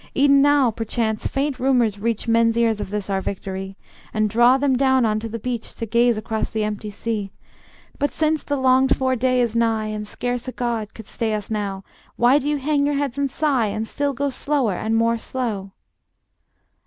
E'en now perchance faint rumors reach Men's ears of this our victory, And draw them down unto the beach To gaze across the empty sea. But since the longed for day is nigh, And scarce a god could stay us now, Why do ye hang your heads and sigh, And still go slower and more slow?